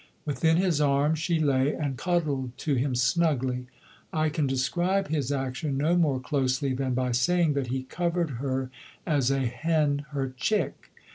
Within his arm she lay and cuddled to him snugly. I can describe his action no more closely than by saying that he covered her as a hen her chick.